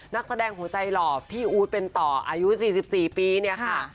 นักแสดงหัวใจหล่อพี่อู๊ดเป็นต่ออายุ๔๔ปีเนี่ยค่ะ